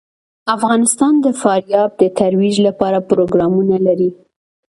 افغانستان د فاریاب د ترویج لپاره پروګرامونه لري.